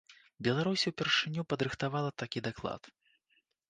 Беларусь упершыню падрыхтавала такі даклад.